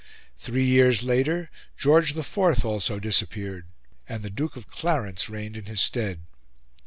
Three years later George IV also disappeared, and the Duke of Clarence reigned in his stead.